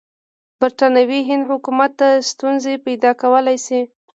برټانوي هند حکومت ته ستونزې پیدا کولای شي.